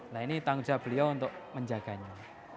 nah ini tanggung jawab beliau untuk menjaganya